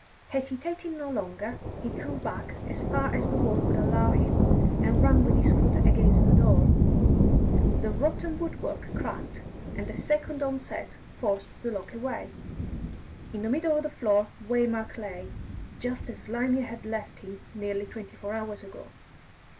Hesitating no longer, he drew back as far as the wall would allow him, and ran with his foot against the door. The rotten woodwork cracked, and a second onset forced the lock away. In the middle of the floor Waymark lay, just as Slimy had left him nearly twenty four hours ago.